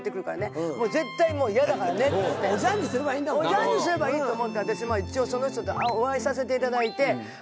おじゃんにすればいいと思って一応お会いさせていただいて。